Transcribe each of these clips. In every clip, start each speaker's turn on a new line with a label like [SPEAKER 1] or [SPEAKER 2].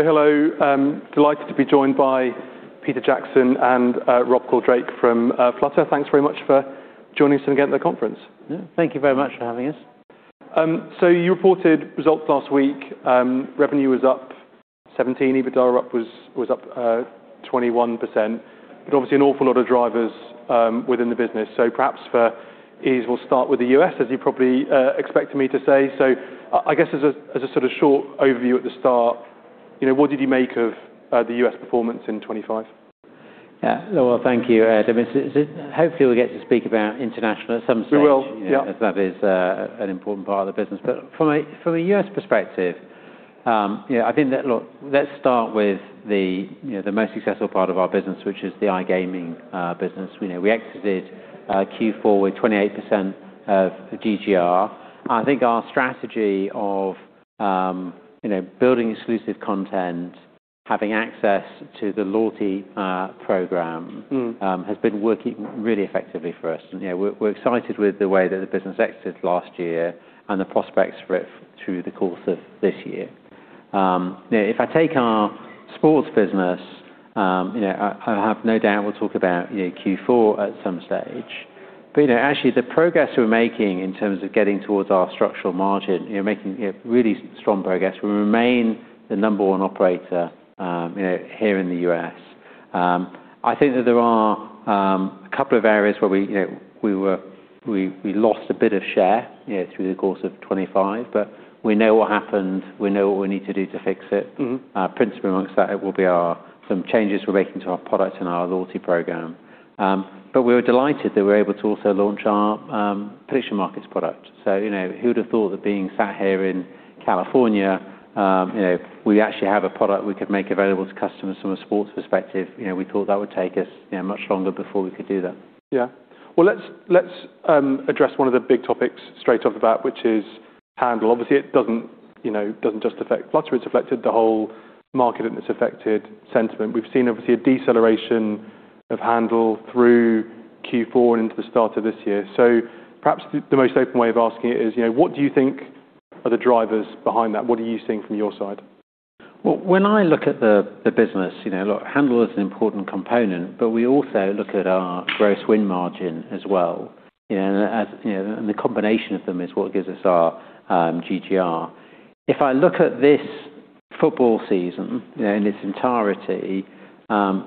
[SPEAKER 1] Hello. Delighted to be joined by Peter Jackson and Rob Coldrake from Flutter. Thanks very much for joining us again at the conference.
[SPEAKER 2] Yeah, thank you very much for having us.
[SPEAKER 1] You reported results last week. Revenue was up 17%, EBITDA was up 21%. Obviously an awful lot of drivers within the business. Perhaps for ease, we'll start with the U.S., as you probably expect me to say. I guess as a sort of short overview at the start, you know, what did you make of the U.S. performance in 2025?
[SPEAKER 2] Yeah. Well, thank you, Adam. Hopefully we'll get to speak about international at some stage.
[SPEAKER 1] We will, yep.
[SPEAKER 2] You know, as that is an important part of the business. From a, from a U.S. perspective, you know, I think that look, let's start with the, you know, the most successful part of our business, which is the iGaming business. You know, we exited Q4 with 28% of GGR. I think our strategy of, you know, building exclusive content, having access to the loyalty program...
[SPEAKER 1] Mm.
[SPEAKER 2] Has been working really effectively for us. You know, we're excited with the way that the business exited last year and the prospects for it through the course of this year. You know, if I take our sports business, you know, I have no doubt we'll talk about, you know, Q4 at some stage. You know, actually the progress we're making in terms of getting towards our structural margin, you know, making, you know, really strong progress, we remain the number one operator, you know, here in the U.S. I think that there are a couple of areas where we, you know, we lost a bit of share, you know, through the course of 2025, but we know what happened. We know what we need to do to fix it.
[SPEAKER 1] Mm-hmm.
[SPEAKER 2] Principally amongst that, some changes we're making to our product and our loyalty program. We were delighted that we were able to also launch our prediction markets product. You know, who'd have thought that being sat here in California, you know, we actually have a product we could make available to customers from a sports perspective. You know, we thought that would take us, you know, much longer before we could do that.
[SPEAKER 1] Yeah. Well, let's address one of the big topics straight off the bat, which is handle. Obviously, it doesn't, you know, doesn't just affect Flutter, it's affected the whole market and it's affected sentiment. We've seen obviously a deceleration of handle through Q4 and into the start of this year. Perhaps the most open way of asking it is, you know, what do you think are the drivers behind that? What are you seeing from your side?
[SPEAKER 2] When I look at the business, you know, look, handle is an important component, but we also look at our gross win margin as well. You know, as, you know, and the combination of them is what gives us our GGR. If I look at this football season, you know, in its entirety,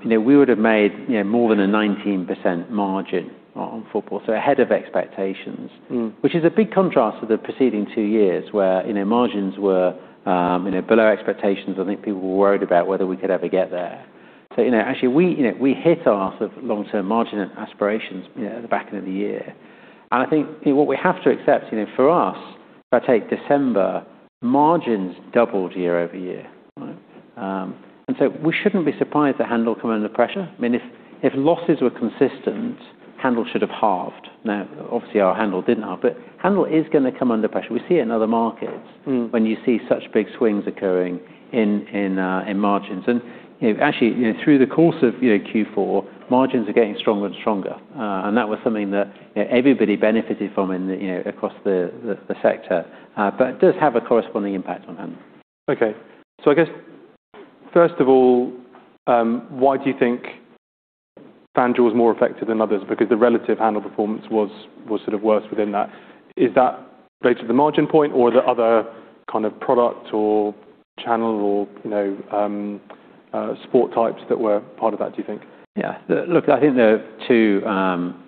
[SPEAKER 2] you know, we would have made, you know, more than a 19% margin on football, so ahead of expectations.
[SPEAKER 1] Mm.
[SPEAKER 2] Which is a big contrast to the preceding two years where, you know, margins were, you know, below expectations. I think people were worried about whether we could ever get there. Actually we, you know, we hit our sort of long-term margin aspirations, you know, at the back end of the year. I think, you know, what we have to accept, you know, for us, if I take December, margins doubled year-over-year. Right? We shouldn't be surprised that handle come under pressure. I mean, if losses were consistent, handle should have halved. Obviously our handle didn't half, but handle is gonna come under pressure. We see it in other markets.
[SPEAKER 1] Mm.
[SPEAKER 2] when you see such big swings occurring in margins. You know, actually, you know, through the course of, you know, Q4, margins are getting stronger and stronger. That was something that, you know, everybody benefited from in the, you know, across the sector. It does have a corresponding impact on handle.
[SPEAKER 1] I guess first of all, why do you think FanDuel was more affected than others? Because the relative handle performance was sort of worse within that. Is that related to the margin point or are there other kind of product or channel or, you know, sport types that were part of that, do you think?
[SPEAKER 2] Look, I think there are two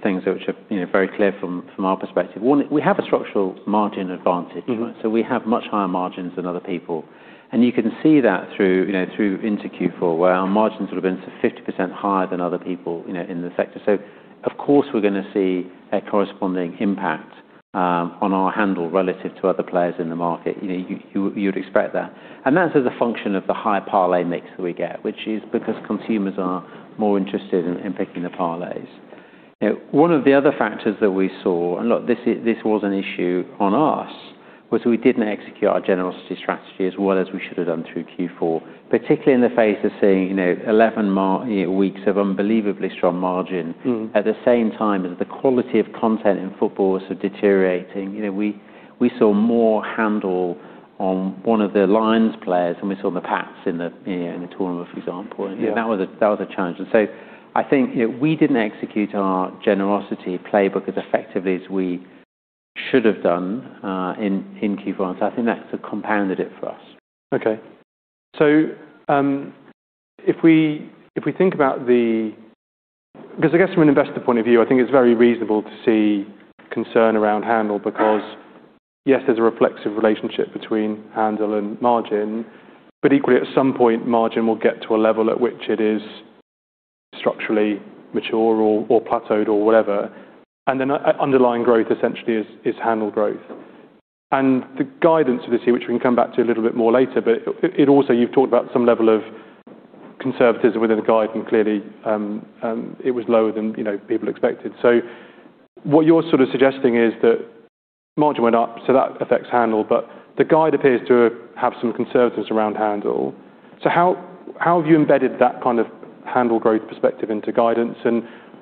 [SPEAKER 2] things which are, you know, very clear from our perspective. One, we have a structural margin advantage.
[SPEAKER 1] Mm-hmm.
[SPEAKER 2] We have much higher margins than other people. You can see that through, you know, through into Q4, where our margins would've been 50% higher than other people, you know, in the sector. Of course, we're gonna see a corresponding impact on our handle relative to other players in the market. You know, you'd expect that. And that's another function of the high parlay mix that we get, which is because consumers are more interested in picking the parlays. You know, one of the other factors that we saw, and look, this was an issue on us, was we didn't execute our generosity strategy as well as we should have done through Q4, particularly in the face of seeing, you know, 11 weeks of unbelievably strong margin.
[SPEAKER 1] Mm.
[SPEAKER 2] At the same time as the quality of content in football was sort of deteriorating. You know, we saw more handle on one of the Lions players than we saw on the Pats in the, you know, in the tournament, for example.
[SPEAKER 1] Yeah.
[SPEAKER 2] That was a challenge. I think, you know, we didn't execute our generosity playbook as effectively as we should have done in Q4. I think that sort of compounded it for us.
[SPEAKER 1] Okay. if we think about the, I guess from an investor point of view, I think it's very reasonable to see concern around handle because, yes, there's a reflexive relationship between handle and margin, but equally at some point margin will get to a level at which it is structurally mature or plateaued or whatever. Then underlying growth essentially is handle growth. The guidance for this year, which we can come back to a little bit more later, but it also you've talked about some level of conservatism within the guidance, and clearly, it was lower than, you know, people expected. What you're sort of suggesting is that margin went up, so that affects handle, but the guide appears to have some conservatism around handle. How have you embedded that kind of- handle growth perspective into guidance.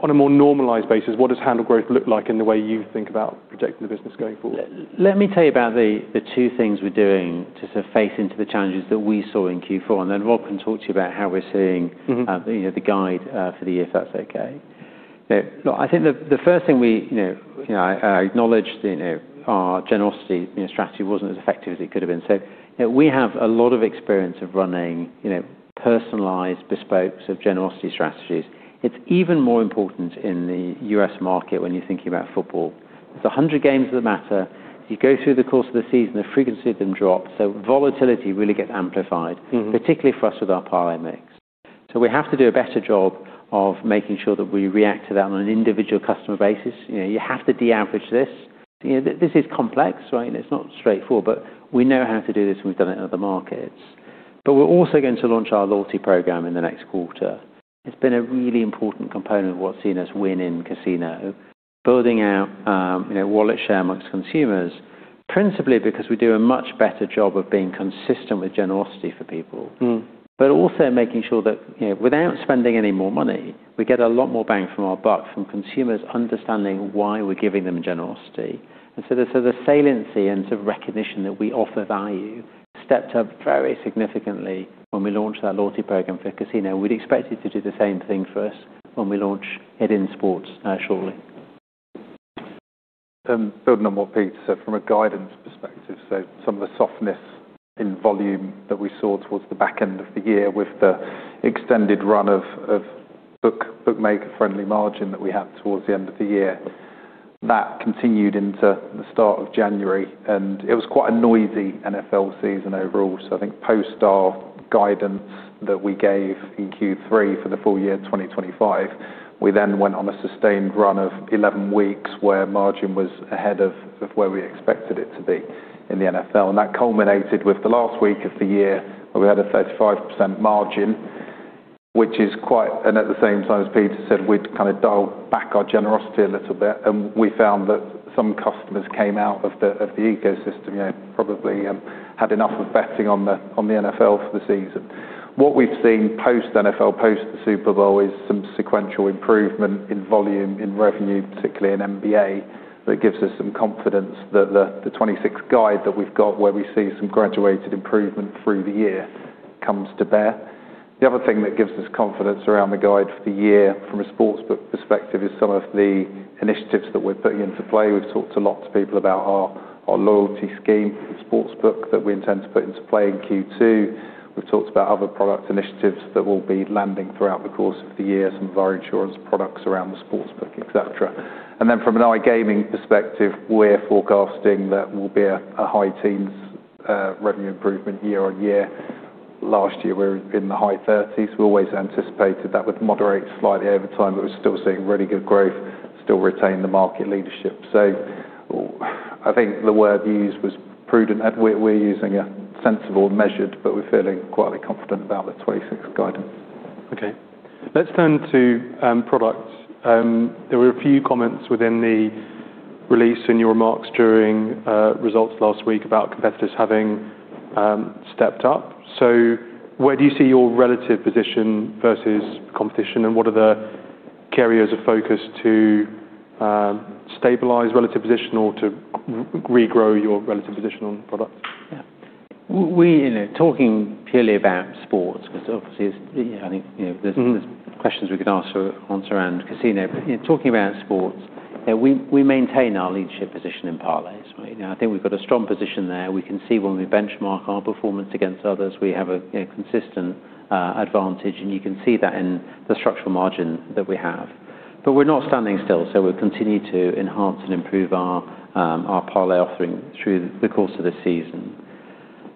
[SPEAKER 1] On a more normalized basis, what does handle growth look like in the way you think about projecting the business going forward?
[SPEAKER 2] Let me tell you about the two things we're doing to sort of face into the challenges that we saw in Q4, and then Rob can talk to you about how we're seeing-
[SPEAKER 1] Mm-hmm...
[SPEAKER 2] you know, the guide for the year, if that's okay. Look, I think the first thing we, you know, I acknowledged, you know, our generosity, you know, strategy wasn't as effective as it could have been. We have a lot of experience of running, you know, personalized bespokes of generosity strategies. It's even more important in the U.S. market when you're thinking about football. There's 100 games that matter. As you go through the course of the season, the frequency of them drops, so volatility really gets amplified.
[SPEAKER 1] Mm-hmm
[SPEAKER 2] Particularly for us with our parlay mix. We have to do a better job of making sure that we react to that on an individual customer basis. You know, you have to de-average this. You know, this is complex, right? It's not straightforward, but we know how to do this, and we've done it in other markets. We're also going to launch our loyalty program in the next quarter. It's been a really important component of what's seen us win in casino, building out, you know, wallet share amongst consumers, principally because we do a much better job of being consistent with generosity for people.
[SPEAKER 1] Mm.
[SPEAKER 2] Also making sure that, you know, without spending any more money, we get a lot more bang for our buck from consumers understanding why we're giving them generosity. The saliency and sort of recognition that we offer value stepped up very significantly when we launched that loyalty program for casino. We'd expect it to do the same thing for us when we launch it in sports shortly.
[SPEAKER 3] Building on what Peter said from a guidance perspective. Some of the softness in volume that we saw towards the back end of the year with the extended run of bookmaker friendly margin that we had towards the end of the year, that continued into the start of January. It was quite a noisy NFL season overall. I think post our guidance that we gave in Q3 for the full year 2025, we then went on a sustained run of 11 weeks where margin was ahead of where we expected it to be in the NFL. That culminated with the last week of the year, where we had a 35% margin, which is quite... At the same time, as Peter said, we'd kind of dialed back our generosity a little bit, and we found that some customers came out of the ecosystem, you know, probably had enough of betting on the NFL for the season. What we've seen post NFL, post Super Bowl is some sequential improvement in volume, in revenue, particularly in NBA, that gives us some confidence that the 2026 guide that we've got, where we see some graduated improvement through the year, comes to bear. The other thing that gives us confidence around the guide for the year from a sportsbook perspective is some of the initiatives that we're putting into play. We've talked a lot to people about our loyalty scheme sportsbook that we intend to put into play in Q2. We've talked about other product initiatives that will be landing throughout the course of the year, some of our insurance products around the sportsbook, et cetera. From an iGaming perspective, we're forecasting that will be a high-teen revenue improvement year-on-year. Last year, we were in the high thirties. We always anticipated that would moderate slightly over time, but we're still seeing really good growth, still retain the market leadership. I think the word you used was prudent. We're using a sensible measured, but we're feeling quietly confident about the 2026 guidance.
[SPEAKER 1] Let's turn to product. There were a few comments within the release in your remarks during results last week about competitors having stepped up. Where do you see your relative position versus competition, and what are the carriers of focus to stabilize relative position or to regrow your relative position on product?
[SPEAKER 2] Yeah. We, you know, talking purely about sports, 'cause obviously it's, you know, I think, you know.
[SPEAKER 1] Mm-hmm...
[SPEAKER 2] there's questions we could ask or answer around casino. You know, talking about sports, you know, we maintain our leadership position in parlays, right. Now I think we've got a strong position there. We can see when we benchmark our performance against others, we have a, you know, consistent advantage, and you can see that in the structural margin that we have. We're not standing still, so we'll continue to enhance and improve our parlay offering through the course of the season.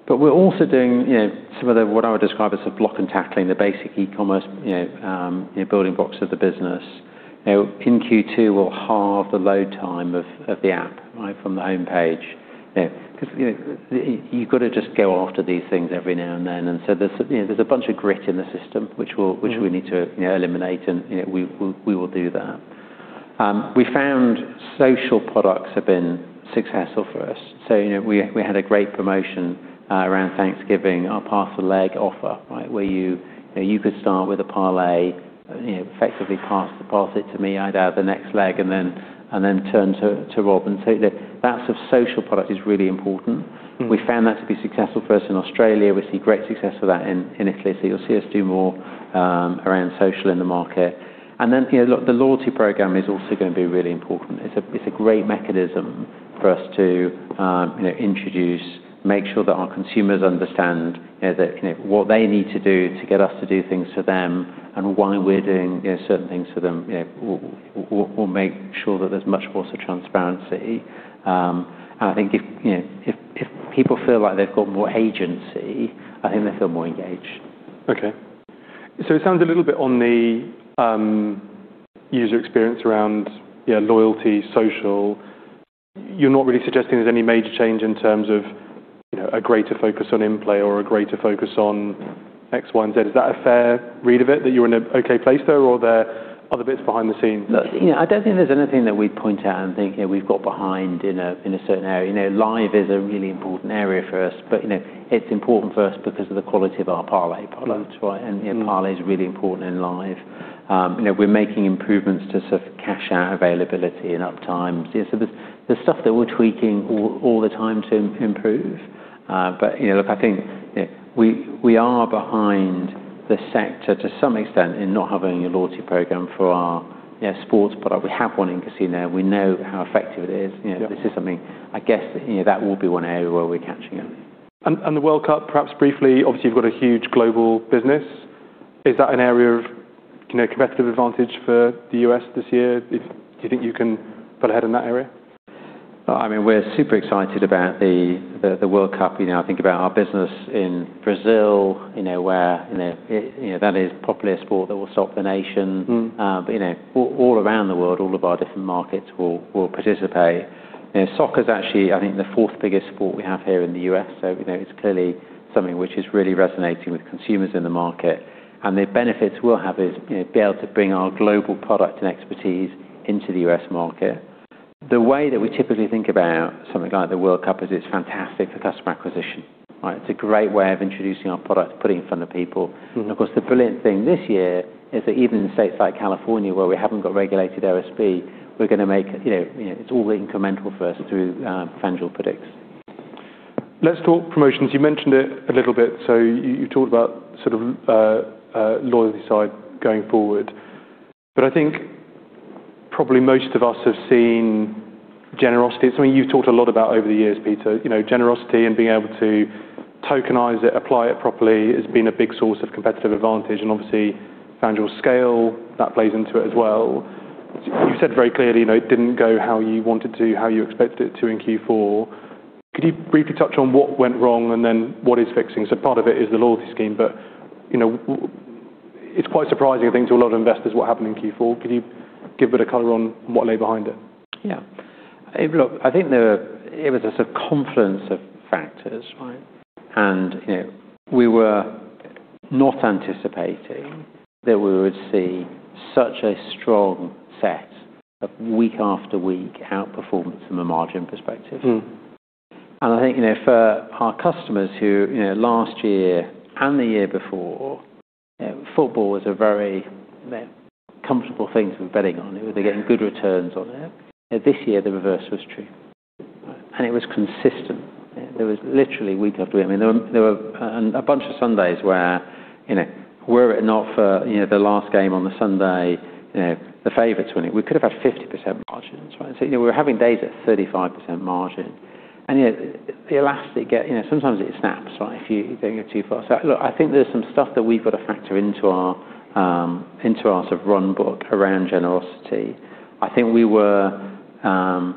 [SPEAKER 2] We're also doing, you know, some of the, what I would describe as the block and tackling, the basic e-commerce, you know, building blocks of the business. You know, in Q2, we'll halve the load time of the app, right from the home page. You know, 'cause, you know, you gotta just go after these things every now and then. There's, you know, there's a bunch of grit in the system.
[SPEAKER 1] Mm...
[SPEAKER 2] which we need to, you know, eliminate and, you know, we will do that. We found social products have been successful for us. You know, we had a great promotion around Thanksgiving, our Pass The Leg offer, right, where you know, you could start with a parlay, you know, effectively pass it to me. I'd add the next leg and then turn to Rob. That sort of social product is really important.
[SPEAKER 1] Mm.
[SPEAKER 2] We found that to be successful for us in Australia. We see great success with that in Italy. You'll see us do more around social in the market. You know, look, the loyalty program is also gonna be really important. It's a great mechanism for us to, you know, introduce, make sure that our consumers understand, you know, that, you know, what they need to do to get us to do things for them and why we're doing, you know, certain things for them. You know, we'll make sure that there's much more sort of transparency. I think if, you know, if people feel like they've got more agency, I think they feel more engaged.
[SPEAKER 1] Okay. It sounds a little bit on the user experience around, you know, loyalty, social. You're not really suggesting there's any major change in terms of, you know, a greater focus on in-play or a greater focus on X, Y, and Z. Is that a fair read of it, that you're in an okay place there, or are there other bits behind the scenes?
[SPEAKER 2] Look, you know, I don't think there's anything that we'd point out and think that we've got behind in a certain area. You know, live is a really important area for us, but, you know, it's important for us because of the quality of our parlay products, right?
[SPEAKER 1] Mm-hmm.
[SPEAKER 2] You know, parlay is really important in live. You know, we're making improvements to sort of cash out availability and uptime. There's stuff that we're tweaking all the time to improve. You know, look, I think, you know, we are behind the sector to some extent in not having a loyalty program for our, you know, sports product. We have one in casino. We know how effective it is.
[SPEAKER 1] Yep.
[SPEAKER 2] You know, this is something, I guess, you know, that will be one area where we're catching up.
[SPEAKER 1] The World Cup, perhaps briefly, obviously, you've got a huge global business. Is that an area of, you know, competitive advantage for the U.S. this year? Do you think you can put ahead in that area?
[SPEAKER 2] I mean, we're super excited about the World Cup. You know, I think about our business in Brazil, you know, where, you know, that is probably a sport that will stop the nation.
[SPEAKER 1] Mm-hmm.
[SPEAKER 2] You know, all around the world, all of our different markets will participate. You know, soccer is actually, I think, the 4th biggest sport we have here in the U.S., you know, it's clearly something which is really resonating with consumers in the market. The benefits we'll have is, you know, be able to bring our global product and expertise into the U.S. market. The way that we typically think about something like the World Cup is it's fantastic for customer acquisition, right? It's a great way of introducing our product, putting it in front of people.
[SPEAKER 1] Mm-hmm.
[SPEAKER 2] Of course, the brilliant thing this year is that even in states like California, where we haven't got regulated OSB, we're gonna make, you know, it's all incremental for us through FanDuel Predicts.
[SPEAKER 1] Let's talk promotions. You mentioned it a little bit, so you talked about sort of loyalty side going forward. I think probably most of us have seen generosity. It's something you've talked a lot about over the years, Peter. You know, generosity and being able to tokenize it, apply it properly, has been a big source of competitive advantage, and obviously FanDuel's scale, that plays into it as well. You said very clearly, you know, it didn't go how you want it to, how you expect it to in Q4. Could you briefly touch on what went wrong and then what is fixing? Part of it is the loyalty scheme, but, you know, it's quite surprising, I think, to a lot of investors what happened in Q4. Could you give a bit of color on what lay behind it?
[SPEAKER 2] Yeah. Look, I think there, it was a sort of confluence of factors, right? You know, we were not anticipating that we would see such a strong set of week after week outperformance from a margin perspective.
[SPEAKER 1] Mm-hmm.
[SPEAKER 2] I think, you know, for our customers who, you know, last year and the year before, football was a very comfortable thing to be betting on. They were getting good returns on it. This year, the reverse was true. It was consistent. There was literally week after week. I mean, there were a bunch of Sundays where, you know, were it not for, you know, the last game on the Sunday, you know, the favorites winning, we could have had 50% margins, right? You know, we were having days at 35% margin. You know, the elastic get, you know, sometimes it snaps, right, if you know, go too far. Look, I think there's some stuff that we've got to factor into our, into our sort of run book around generosity. I think we were, you know,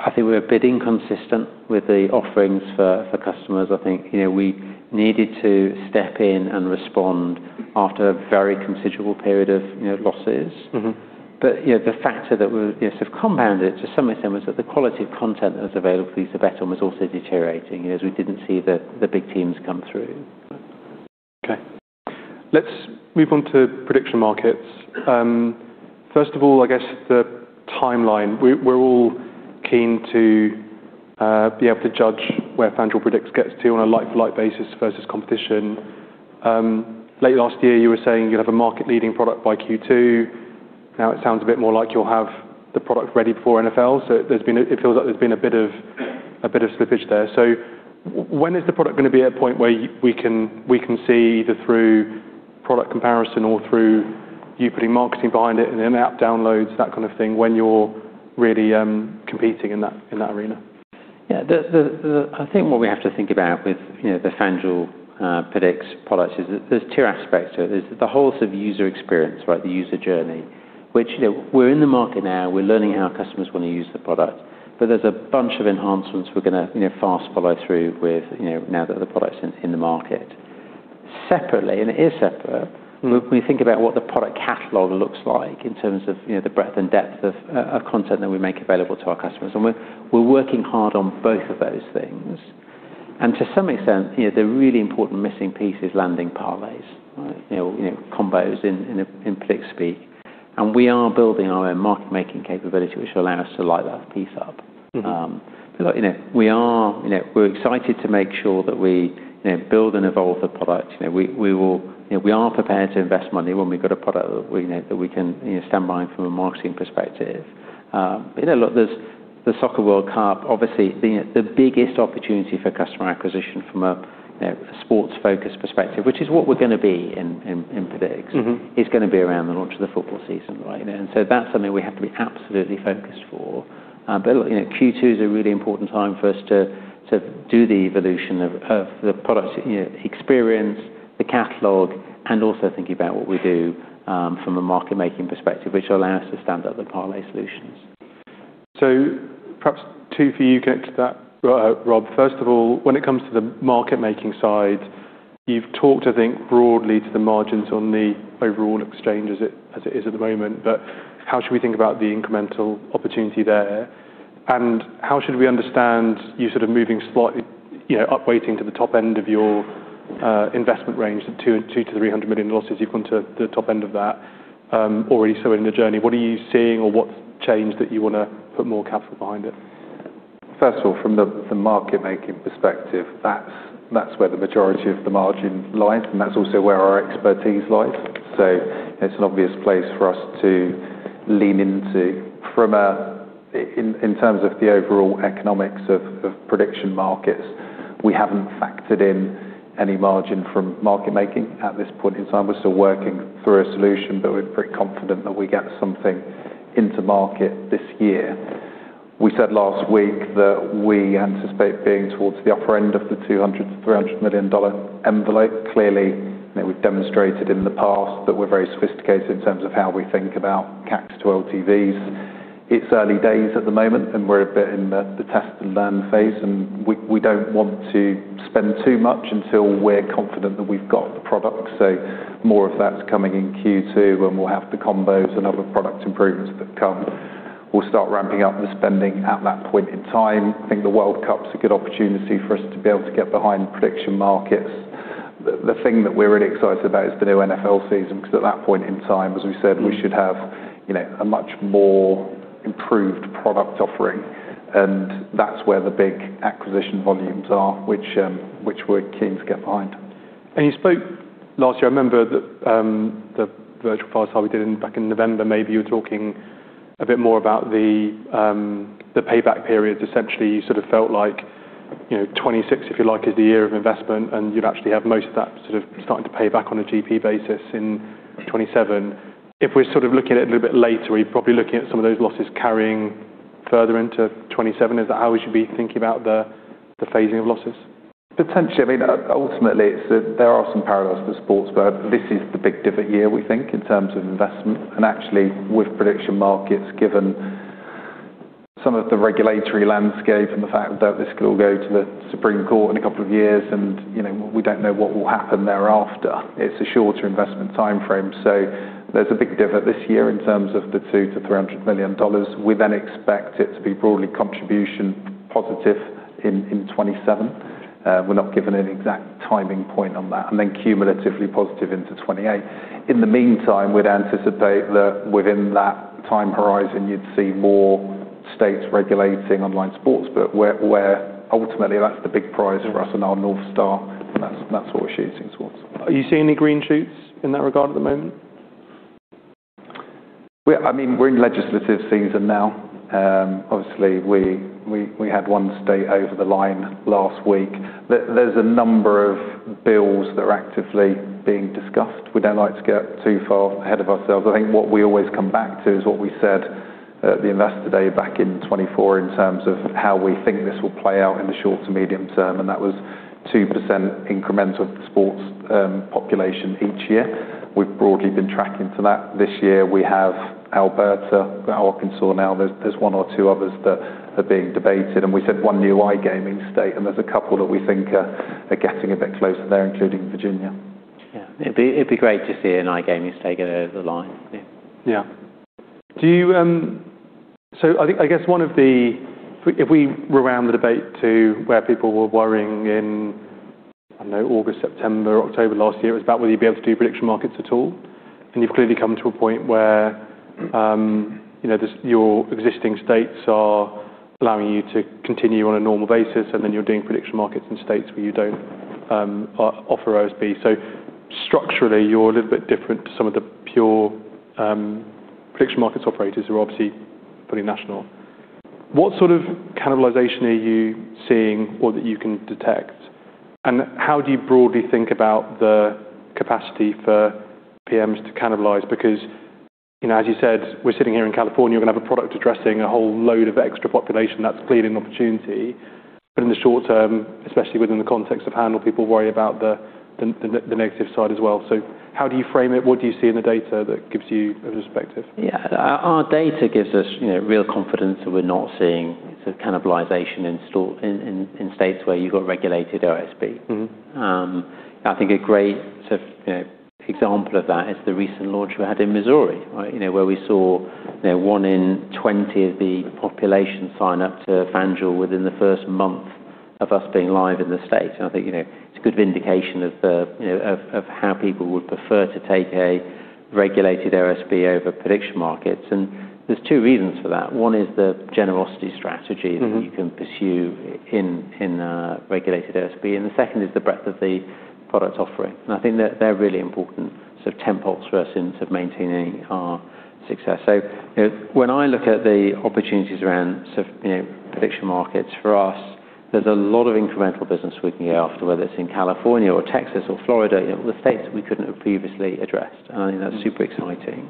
[SPEAKER 2] I think we were a bit inconsistent with the offerings for customers. I think, you know, we needed to step in and respond after a very considerable period of, you know, losses.
[SPEAKER 1] Mm-hmm.
[SPEAKER 3] you know, the factor that you know, sort of compounded to some extent was that the quality of content that was available for you to bet on was also deteriorating, as we didn't see the big teams come through.
[SPEAKER 1] Okay. Let's move on to prediction markets. First of all, I guess the timeline. We're all keen to be able to judge where FanDuel Predicts gets to on a like-for-like basis versus competition. Late last year, you were saying you'd have a market-leading product by Q2. Now it sounds a bit more like you'll have the product ready before NFL. It feels like there's been a bit of slippage there. When is the product gonna be at a point where we can see either through product comparison or through you putting marketing behind it and in-app downloads, that kind of thing, when you're really competing in that, in that arena?
[SPEAKER 2] Yeah. I think what we have to think about with, you know, the FanDuel Predicts products is there's two aspects to it. There's the whole sort of user experience, right, the user journey, which, you know, we're in the market now, we're learning how customers wanna use the product, there's a bunch of enhancements we're gonna, you know, fast follow through with, you know, now that the product's in the market. Separately, it is separate, when we think about what the product catalog looks like in terms of, you know, the breadth and depth of content that we make available to our customers, we're working hard on both of those things. To some extent, you know, the really important missing piece is landing parlays, right? You know, combos in Predicts speak. We are building our own market-making capability, which will allow us to light that piece up.
[SPEAKER 1] Mm-hmm.
[SPEAKER 2] Look, you know, we are, you know, we're excited to make sure that we, you know, build and evolve the product. You know, we are prepared to invest money when we've got a product that we, you know, that we can, you know, stand behind from a marketing perspective. You know, look, there's the FIFA World Cup, obviously, the biggest opportunity for customer acquisition from a, you know, sports-focused perspective, which is what we're gonna be in Predicts.
[SPEAKER 1] Mm-hmm
[SPEAKER 2] is gonna be around the launch of the football season, right? That's something we have to be absolutely focused for. Look, you know, Q2 is a really important time for us to do the evolution of the product, you know, experience, the catalog, and also thinking about what we do from a market-making perspective, which will allow us to stand up the parlay solutions.
[SPEAKER 1] Perhaps two for you connected to that, Rob. First of all, when it comes to the market making side, you've talked, I think, broadly to the margins on the overall exchange as it is at the moment, but how should we think about the incremental opportunity there? How should we understand you sort of moving slightly, you know, upweighting to the top end of your investment range to $200 million-$300 million losses, you've gone to the top end of that already in the journey. What are you seeing or what's changed that you wanna put more capital behind it?
[SPEAKER 3] First of all, from the market making perspective, that's where the majority of the margin lies, and that's also where our expertise lies. It's an obvious place for us to lean into. In terms of the overall economics of prediction markets, we haven't factored in any margin from market making at this point in time. We're still working through a solution, but we're pretty confident that we get something into market this year. We said last week that we anticipate being towards the upper end of the $200 million-$300 million envelope. Clearly, you know, we've demonstrated in the past that we're very sophisticated in terms of how we think about CAPEX to LTVs. It's early days at the moment, we're a bit in the test and learn phase, we don't want to spend too much until we're confident that we've got the product. More of that's coming in Q2 when we'll have the combos and other product improvements that come. We'll start ramping up the spending at that point in time. I think the World Cup's a good opportunity for us to be able to get behind prediction markets. The thing that we're really excited about is the new NFL season, 'cause at that point in time, as we said, we should have, you know, a much more improved product offering. That's where the big acquisition volumes are, which we're keen to get behind.
[SPEAKER 1] You spoke last year, I remember the virtual fireside we did in back in November, maybe you were talking a bit more about the payback period. Essentially, you sort of felt like, you know, 2026, if you like, is the year of investment, and you'd actually have most of that sort of starting to pay back on a GP basis in 2027. If we're sort of looking at it a little bit later, are you probably looking at some of those losses carrying further into 2027? Is that how we should be thinking about the phasing of losses?
[SPEAKER 3] Potentially. I mean, ultimately, there are some parallels for sports, but this is the big different year, we think, in terms of investment. Actually, with prediction markets, given some of the regulatory landscape and the fact that this could all go to the Supreme Court in a couple of years and, you know, we don't know what will happen thereafter, it's a shorter investment timeframe. There's a big difference this year in terms of the $200 million-$300 million. We expect it to be broadly contribution positive in 2027. We're not given an exact timing point on that, and then cumulatively positive into 2028. In the meantime, we'd anticipate that within that time horizon, you'd see more states regulating online sports, but where ultimately that's the big prize for us and our North Star, and that's what we're shooting towards.
[SPEAKER 1] Are you seeing any green shoots in that regard at the moment?
[SPEAKER 3] I mean, we're in legislative season now. Obviously, we had one state over the line last week. There's a number of bills that are actively being discussed. We don't like to get too far ahead of ourselves. I think what we always come back to is what we said at the Investor Day back in 2024 in terms of how we think this will play out in the short to medium term, and that was 2% incremental sports population each year. We've broadly been tracking to that. This year, we have Alberta, Arkansas now. There's one or two others that are being debated. We said one new iGaming state, and there's a couple that we think are getting a bit closer there, including Virginia.
[SPEAKER 2] Yeah. It'd be great to see an iGaming state get over the line. Yeah.
[SPEAKER 1] Yeah. Do you, I think, I guess If we round the debate to where people were worrying in, I don't know, August, September, October last year was about will you be able to do prediction markets at all. You've clearly come to a point where, you know, your existing states are allowing you to continue on a normal basis, and then you're doing prediction markets in states where you don't offer OSB. Structurally, you're a little bit different to some of the pure prediction markets operators who are obviously fully national. What sort of cannibalization are you seeing or that you can detect? How do you broadly think about the capacity for PMs to cannibalize? You know, as you said, we're sitting here in California, we're gonna have a product addressing a whole load of extra population that's clearly an opportunity. In the short term, especially within the context of handle, people worry about the negative side as well. How do you frame it? What do you see in the data that gives you a perspective?
[SPEAKER 2] Yeah. Our data gives us, you know, real confidence that we're not seeing the cannibalization in states where you've got regulated OSB.
[SPEAKER 1] Mm-hmm.
[SPEAKER 2] I think a great sort of, you know, example of that is the recent launch we had in Missouri, right? You know, where we saw, you know, one in 20 of the population sign up to FanDuel within the first month of us being live in the state. I think, you know, it's a good vindication of the, you know, of how people would prefer to take a regulated OSB over prediction markets. There's two reasons for that. One is the generosity strategy...
[SPEAKER 1] Mm-hmm
[SPEAKER 2] ...that you can pursue in a regulated OSB, the second is the breadth of the product offering. I think they're really important sort of tent poles for us in sort of maintaining our success. You know, when I look at the opportunities around sort of, you know, prediction markets, for us, there's a lot of incremental business we can go after, whether it's in California or Texas or Florida, you know, the states we couldn't have previously addressed. I think that's super exciting.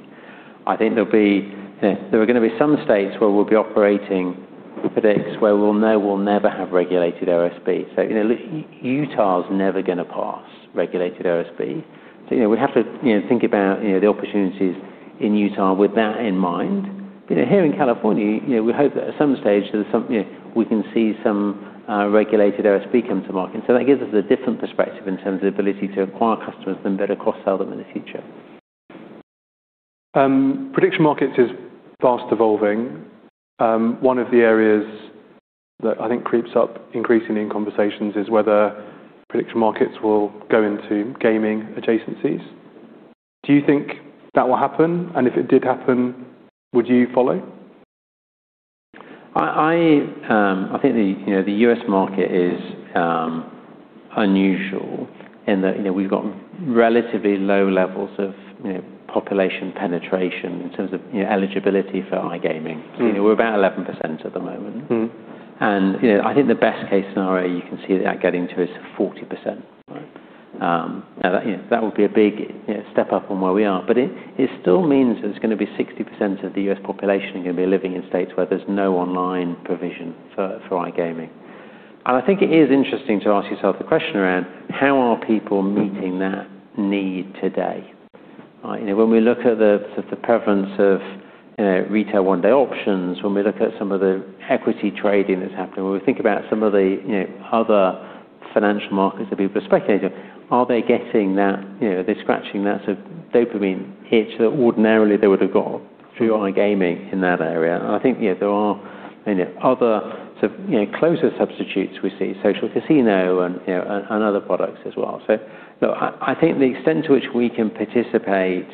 [SPEAKER 2] I think there'll be, you know, there are gonna be some states where we'll be operating predicts where we'll know we'll never have regulated OSB. You know, Utah's never gonna pass regulated OSB. You know, we have to, you know, think about, you know, the opportunities in Utah with that in mind. You know, here in California, you know, we hope that at some stage there's some, you know, we can see some regulated OSB come to market. That gives us a different perspective in terms of ability to acquire customers, then better cross-sell them in the future.
[SPEAKER 1] Prediction markets is fast evolving. One of the areas that I think creeps up increasingly in conversations is whether prediction markets will go into gaming adjacencies. Do you think that will happen? If it did happen, would you follow?
[SPEAKER 2] I think the, you know, the U.S. market is unusual in that, you know, we've got relatively low levels of, you know, population penetration in terms of, you know, eligibility for iGaming.
[SPEAKER 1] Mm-hmm.
[SPEAKER 2] You know, we're about 11% at the moment.
[SPEAKER 1] Mm-hmm.
[SPEAKER 2] you know, I think the best case scenario you can see that getting to is 40%.
[SPEAKER 1] Right.
[SPEAKER 2] Now that, you know, that would be a big, you know, step up from where we are. It still means there's gonna be 60% of the U.S. population are gonna be living in states where there's no online provision for iGaming. I think it is interesting to ask yourself the question around how are people meeting that need today, right? You know, when we look at the prevalence of, you know, retail one-day options, when we look at some of the equity trading that's happening, when we think about some of the, you know, other financial markets that people are speculating, are they getting that, you know, are they scratching that sort of dopamine itch that ordinarily they would have got through iGaming in that area? I think, you know, there are, you know, other sort of, you know, closer substitutes. We see social casino and, you know, and other products as well. Look, I think the extent to which we can participate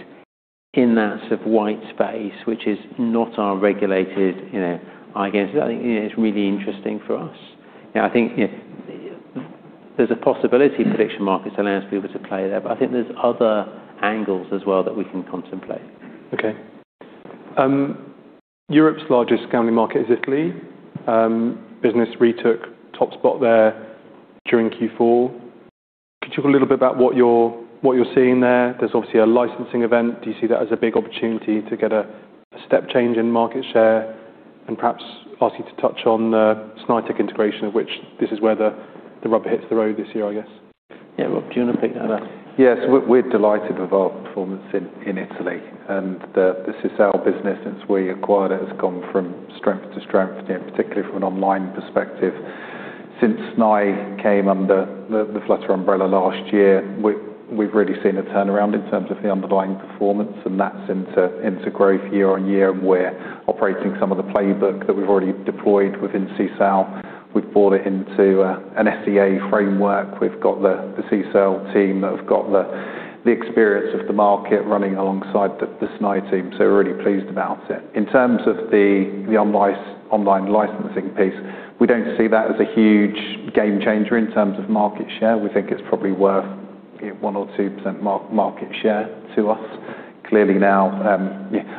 [SPEAKER 2] in that sort of white space, which is not our regulated, you know, iGaming side, you know, is really interesting for us. You know, I think, you know, there's a possibility prediction markets allows people to play there, but I think there's other angles as well that we can contemplate.
[SPEAKER 1] Okay. Europe's largest gambling market is Italy. Business retook top spot there during Q4. Could you talk a little bit about what you're seeing there? There's obviously a licensing event. Do you see that as a big opportunity to get a step change in market share? Perhaps ask you to touch on the Snaitech integration, of which this is where the rubber hits the road this year, I guess.
[SPEAKER 2] Yeah. Rob, do you wanna pick that up?
[SPEAKER 3] Yes. We're delighted with our performance in Italy and the Sisal business since we acquired it has gone from strength to strength, you know, particularly from an online perspective. Since Snai came under the Flutter umbrella last year, we've really seen a turnaround in terms of the underlying performance, and that's into growth year on year. We're operating some of the playbook that we've already deployed within Sisal. We've brought it into an SEA framework. We've got the Sisal team that have got the experience of the market running alongside the Snai team. We're really pleased about it. In terms of the online licensing piece, we don't see that as a huge game changer in terms of market share. We think it's probably worth, you know, 1 or 2% market share to us. Clearly now,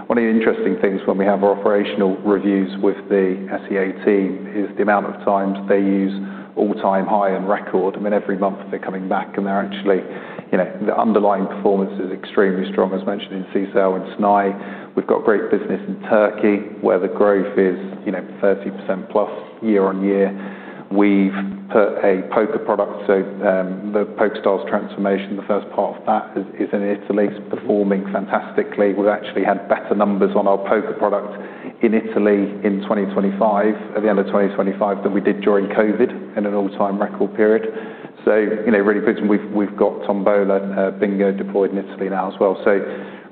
[SPEAKER 3] one of the interesting things when we have our operational reviews with the SEA team is the amount of times they use all-time high and record. I mean, every month they're coming back and they're actually, you know, the underlying performance is extremely strong, as mentioned in Sisal and Snai. We've got great business in Turkey, where the growth is, you know, 30% plus year-over-year. We've put a poker product, so, the PokerStars transformation, the first part of that is in Italy. It's performing fantastically. We've actually had better numbers on our poker product in Italy in 2025, at the end of 2025, than we did during COVID in an all-time record period. You know, really pleased. We've got Tombola, Bingo deployed in Italy now as well.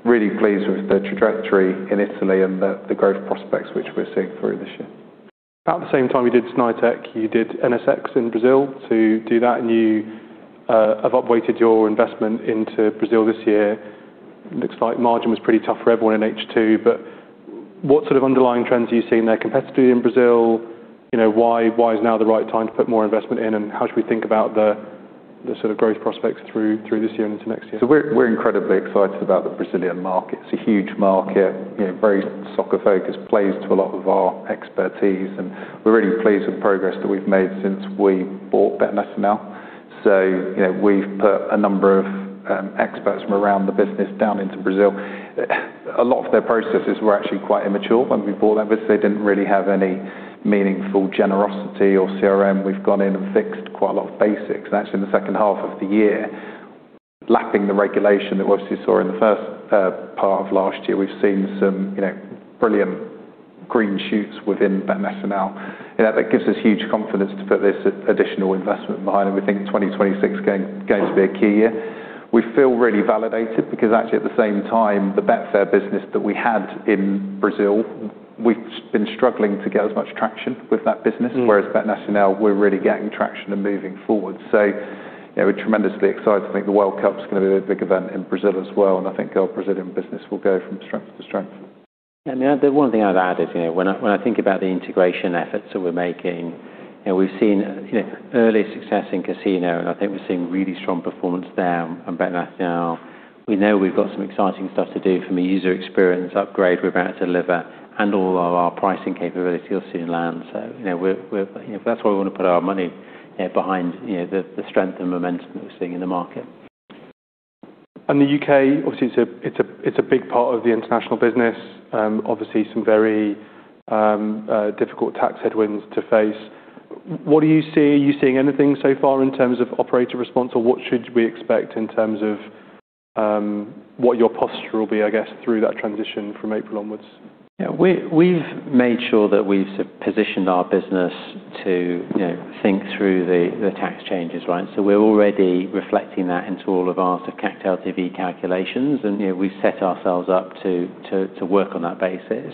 [SPEAKER 3] Really pleased with the trajectory in Italy and the growth prospects which we're seeing through this year.
[SPEAKER 1] About the same time you did Snaitech, you did NSX in Brazil. To do that, you have upweighted your investment into Brazil this year. Looks like margin was pretty tough for everyone in H2. What sort of underlying trends are you seeing there competitively in Brazil? You know, why is now the right time to put more investment in, and how should we think about the sort of growth prospects through this year and into next year?
[SPEAKER 3] We're incredibly excited about the Brazilian market. It's a huge market, you know, very soccer-focused, plays to a lot of our expertise, and we're really pleased with the progress that we've made since we bought Betnacional. You know, we've put a number of experts from around the business down into Brazil. A lot of their processes were actually quite immature when we bought them because they didn't really have any meaningful generosity or CRM. We've gone in and fixed quite a lot of basics. Actually in the second half of the year, lapping the regulation that we obviously saw in the first part of last year, we've seen some, you know, brilliant green shoots within Betnacional. You know, that gives us huge confidence to put this additional investment behind, and we think 2026 going to be a key year. We feel really validated because actually at the same time, the Betfair business that we had in Brazil, we've been struggling to get as much traction with that business.
[SPEAKER 1] Mm-hmm.
[SPEAKER 3] Betnacional, we're really getting traction and moving forward. You know, we're tremendously excited to think the World Cup's gonna be a big event in Brazil as well, and I think our Brazilian business will go from strength to strength.
[SPEAKER 2] The other one thing I'd add is, you know, when I, when I think about the integration efforts that we're making, you know, we've seen, you know, early success in casino, and I think we're seeing really strong performance there on Betnacional. We know we've got some exciting stuff to do from a user experience upgrade we're about to deliver and all of our pricing capability you'll see in land. You know, we're. You know, that's why we wanna put our money, you know, behind, you know, the strength and momentum that we're seeing in the market.
[SPEAKER 1] The UK, obviously it's a big part of the international business. Obviously some very difficult tax headwinds to face. What do you see? Are you seeing anything so far in terms of operator response, or what should we expect in terms of, what your posture will be, I guess, through that transition from April onwards?
[SPEAKER 2] Yeah. We've made sure that we've sort of positioned our business to, you know, think through the tax changes, right? We're already reflecting that into all of our sort of LTV calculations and, you know, we've set ourselves up to work on that basis.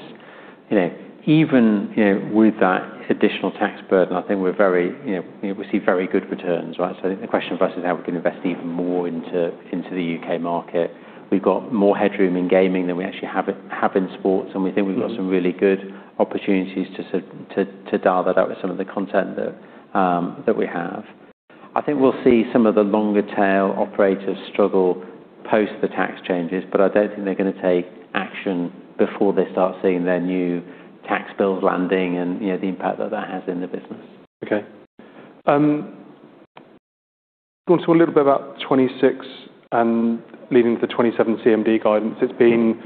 [SPEAKER 2] You know, even, you know, with that additional tax burden, I think we're very, you know, we see very good returns, right? I think the question for us is how we can invest even more into the U.K. market. We've got more headroom in gaming than we actually have in sports, and we think we've got some really good opportunities to dial that out with some of the content that we have. I think we'll see some of the longer tail operators struggle post the tax changes, but I don't think they're gonna take action before they start seeing their new tax bills landing and, you know, the impact that that has in the business.
[SPEAKER 1] Go on to a little bit about 2026 and leading to 2027 CMD guidance. It's been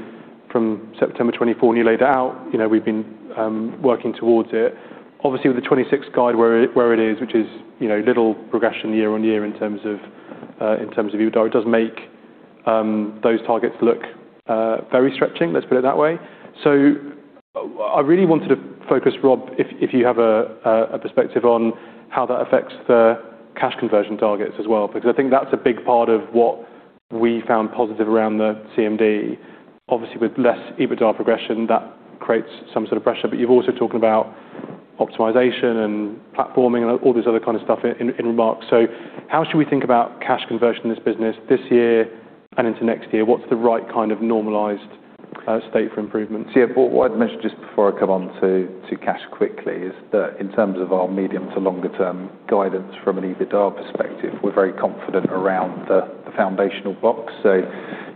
[SPEAKER 1] from September 2024, you laid it out. You know, we've been working towards it. Obviously, with the 2026 guide where it is, which is, you know, little progression year on year in terms of, in terms of EBITDA, it does make those targets look very stretching, let's put it that way. I really wanted to focus, Rob, if you have a perspective on how that affects the cash conversion targets as well, because I think that's a big part of what we found positive around the CMD. Obviously, with less EBITDA progression, that creates some sort of pressure. You've also talked about optimization and platforming and all this other kind of stuff in remarks. How should we think about cash conversion in this business this year and into next year? What's the right kind of normalized state for improvement?
[SPEAKER 3] Well, what I'd mention just before I come on to cash quickly is that in terms of our medium to longer term guidance from an EBITDA perspective, we're very confident around the foundational box. If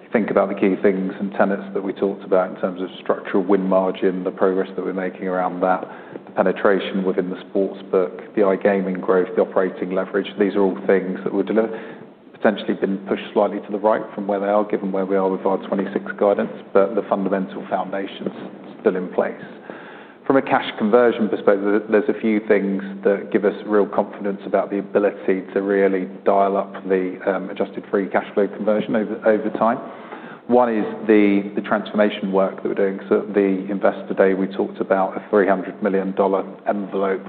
[SPEAKER 3] you think about the key things and tenets that we talked about in terms of structural win margin, the progress that we're making around that, the penetration within the sports book, the iGaming growth, the operating leverage, these are all things that we're potentially been pushed slightly to the right from where they are, given where we are with our 2026 guidance, but the fundamental foundation's still in place. From a cash conversion perspective, there's a few things that give us real confidence about the ability to really dial up the adjusted free cash flow conversion over time. One is the transformation work that we're doing. At the Investor Day, we talked about a $300 million envelope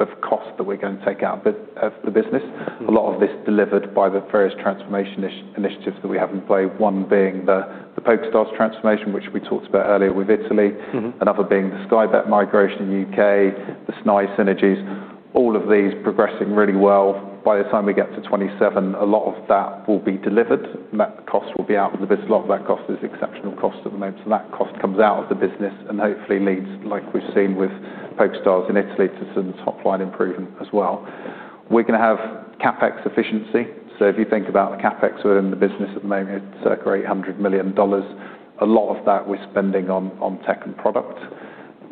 [SPEAKER 3] of cost that we're going to take out of the business. A lot of this delivered by the various transformation initiatives that we have in play. One being the PokerStars transformation, which we talked about earlier with Italy.
[SPEAKER 1] Mm-hmm.
[SPEAKER 3] Another being the Sky Bet migration in U.K., the Snai synergies, all of these progressing really well. By the time we get to 2027, a lot of that will be delivered, and that cost will be out of the business. A lot of that cost is exceptional cost at the moment. That cost comes out of the business and hopefully leads, like we've seen with PokerStars in Italy, to some top-line improvement as well. We're gonna have CAPEX efficiency. If you think about the CAPEX within the business at the moment, it's currently $800 million. A lot of that we're spending on tech and product.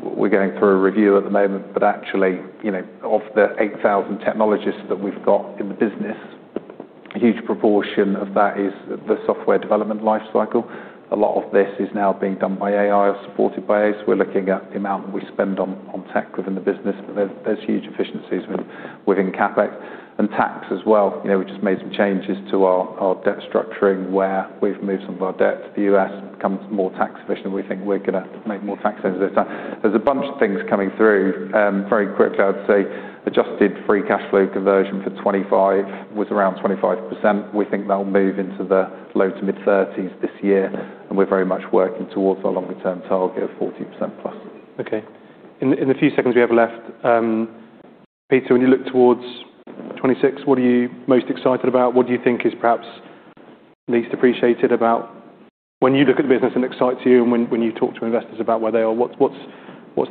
[SPEAKER 3] We're going through a review at the moment, but actually, you know, of the 8,000 technologists that we've got in the business, a huge proportion of that is the software development life cycle. A lot of this is now being done by AI or supported by AI, we're looking at the amount that we spend on tech within the business. There's huge efficiencies within CAPEX. Tax as well. You know, we just made some changes to our debt structuring, where we've moved some of our debt to the U.S., become more tax efficient, and we think we're gonna make more tax over this time. There's a bunch of things coming through very quickly. I would say adjusted free cash flow conversion for 2025 was around 25%. We think that'll move into the low to mid-thirties this year, and we're very much working towards our longer-term target of +40%.
[SPEAKER 1] Okay. In the few seconds we have left, Peter, when you look towards 2026, what are you most excited about? What do you think is perhaps least appreciated about when you look at the business and excites you and when you talk to investors about where they are, what's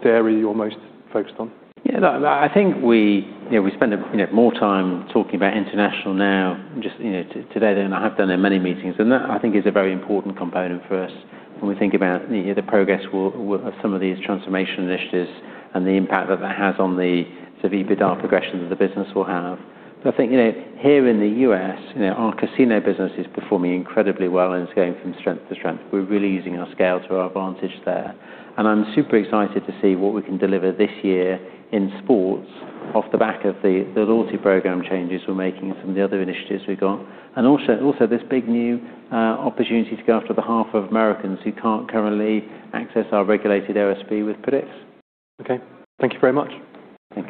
[SPEAKER 1] the area you're most focused on?
[SPEAKER 2] Yeah. Look, I think we, you know, we spend, you know, more time talking about international now just, you know, today than I have done in many meetings. That I think is a very important component for us when we think about, you know, the progress with some of these transformation initiatives and the impact that that has on the sort of EBITDA progression that the business will have. I think, you know, here in the U.S., you know, our casino business is performing incredibly well, and it's going from strength to strength. We're really using our scale to our advantage there. I'm super excited to see what we can deliver this year in sports off the back of the loyalty program changes we're making and some of the other initiatives we've got. also this big new opportunity to go after the half of Americans who can't currently access our regulated OSB with Predicts.
[SPEAKER 1] Okay. Thank you very much.
[SPEAKER 3] Thank you.